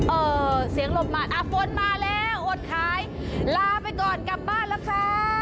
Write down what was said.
เอ่อเสียงลมมาฝนมาแล้วโอดขายลาไปก่อนกลับบ้านล่ะค่ะ